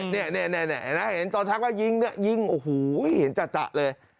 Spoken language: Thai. นี่นะเห็นตอนชักว่ายิงยิงโอ้โฮเห็นจัดเลย